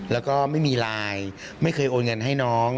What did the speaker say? แล้วก็ไม่มีไลน์ไม่เคยโอนเงินให้น้อง